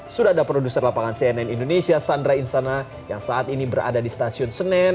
sudah ada produser lapangan cnn indonesia sandra insana yang saat ini berada di stasiun senen